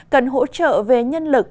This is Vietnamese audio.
cần hỗ trợ về nhân lực